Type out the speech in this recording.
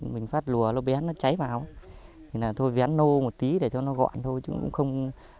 mình phát lùa nó bén nó cháy vào thì là thôi vén nô một tí để cho nó gọn thôi chứ cũng không